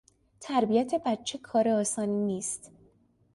تربیت بچه کار آسانی نیست.